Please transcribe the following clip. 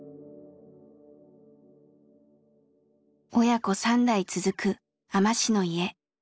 親子３代続く海士の家。